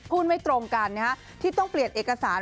ไม่ตรงกันที่ต้องเปลี่ยนเอกสาร